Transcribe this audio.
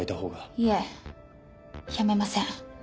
いえやめません。